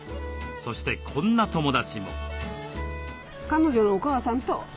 そしてこんな友だちも。